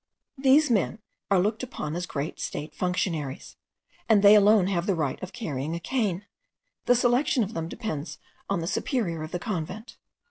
These men are looked upon as great state functionaries, and they alone have the right of carrying a cane. The selection of them depends on the superior of the convent.